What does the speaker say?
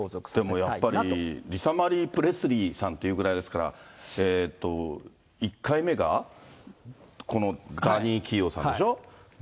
でもやっぱりリサ・マリー・プレスリーさんっていういうぐらいですから、１回目がこのダニー・キーオさんでしょう。